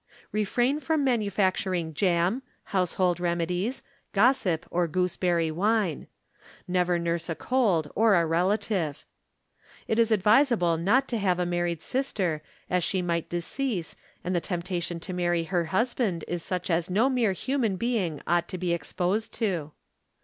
Refrain from manufacturing jam, household remedies, gossip or gooseberry wine. Never nurse a cold or a relative. It is advisable not to have a married sister, as she might decease and the temptation to marry her husband is such as no mere human being ought to be exposed to.